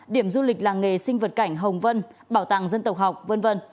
điểm du lịch làng nghề sinh vật cảnh hồng vân bảo tàng dân tộc học v v